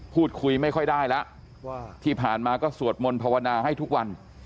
พูดคุยไม่ค่อยได้แล้วที่ผ่านมาก็สวดมนต์ภาวนาให้ทุกวัน